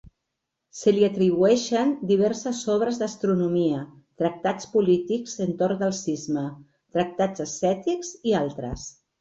Se li atribueixen diverses obres d'astronomia, tractats polítics entorn del Cisma, tractats ascètics i altres.